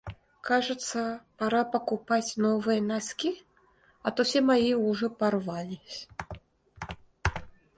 Кажется, пора покупать новые носки, а то все мои уже порвались.